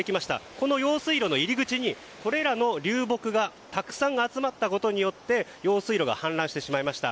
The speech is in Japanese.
この用水路の入り口にこれらの流木がたくさん集まったことによって用水路が氾濫してしまいました。